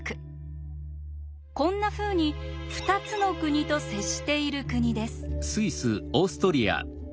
こんなふうに「二つの国と接している国」です。